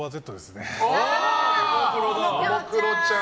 ももクロちゃん。